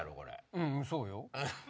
うんそうよ。